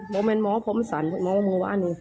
หมอเป็นหมอเป็นหมอแมนท์หมอมันเป็นหมอมัุวรรณ